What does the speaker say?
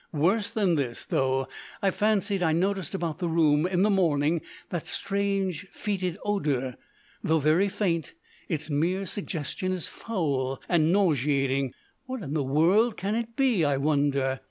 Worse than this, though I fancied I noticed about the room in the morning that strange, fetid odour. Though very faint, its mere suggestion is foul and nauseating. What in the world can it be, I wonder?...